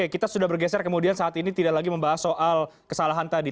kita sudah bergeser kemudian saat ini tidak lagi membahas soal kesalahan tadi